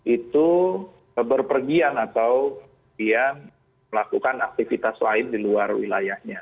itu berpergian atau dia melakukan aktivitas lain di luar wilayahnya